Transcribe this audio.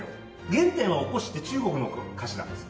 原点はおこしって中国の菓子なんです。